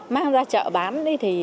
mang ra chợ bán thì hợp tác